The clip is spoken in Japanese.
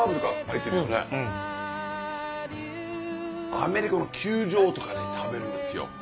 アメリカの球場とかで食べるんですよ。